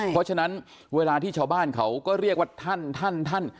เพราะฉะนั้นเวลาที่ชาวบ้านเขาก็เรียกว่าท่านท่าน